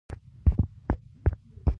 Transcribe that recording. اوس همدې باطلو ته حقانیت ورکول کېږي.